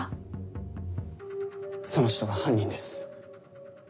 その人が犯人です。